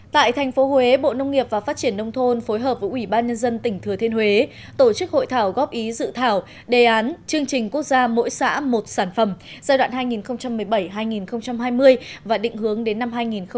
tại thành phố huế bộ nông nghiệp và phát triển nông thôn phối hợp với ủy ban nhân dân tỉnh thừa thiên huế tổ chức hội thảo góp ý dự thảo đề án chương trình quốc gia mỗi xã một sản phẩm giai đoạn hai nghìn một mươi bảy hai nghìn hai mươi và định hướng đến năm hai nghìn hai mươi